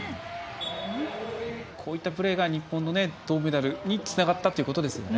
こういったプレーが日本の銅メダルにつながったということですね。